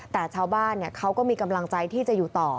แต่ชาวบ้านเขาก็มีกำลังใจที่จะอยู่ต่อ